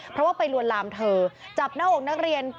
เพราะว่าไปลวนลามเธอจับหน้าอกนักเรียน